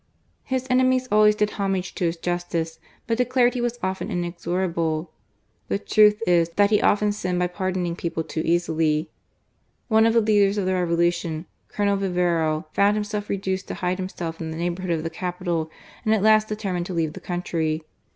His enemies always did homage to his justice, but declared he was often inexorable. The truth is, that he often sinned by pardoning people too easily* One of the leaders of the Revolution, Colonel Vivero, found himself reduced to hide himself in the neigh bourhood of the capital, and at last determined to leave the country.